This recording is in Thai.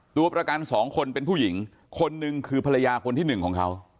ตัวประกันสองคนเป็นผู้หญิงคนหนึ่งคือภรรยาคนที่หนึ่งของเขา